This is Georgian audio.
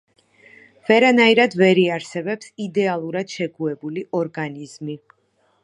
ვერანაირად ვერ იარსებებს იდეალურად შეგუებული ორგანიზმი.